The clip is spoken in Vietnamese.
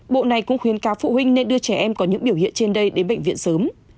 bộ này cũng khuyến cáo phụ huynh nên đưa trẻ em có những biểu hiện trên đây đến bệnh viện sớm